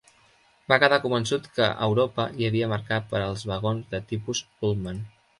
Va quedar convençut que a Europa hi havia mercat per als vagons de tipus Pullman.